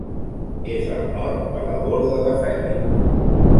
És al nord de la Borda de Fèlix.